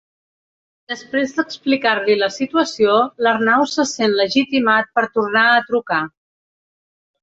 Després d'explicar-li la situació l'Arnau se sent legitimat per tornar a trucar.